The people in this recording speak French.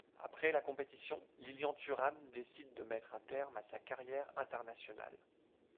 Après la compétition, Lilian Thuram décide de mettre un terme à sa carrière internationale.